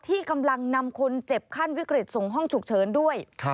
ที่กำลังนำคนเจ็บขั้นวิกฤตส่งห้องฉุกเฉินด้วย